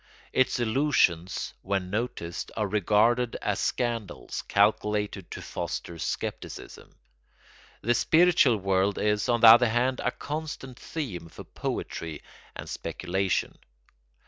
Its illusions, when noticed, are regarded as scandals calculated to foster scepticism. The spiritual world is, on the other hand, a constant theme for poetry and speculation.